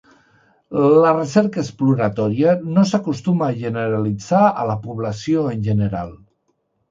La recerca exploratòria no s'acostuma a generalitzar a la població en general.